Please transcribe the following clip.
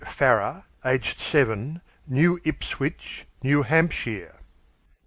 Farrar, aged seven, New Ipswich, New Hampshire.)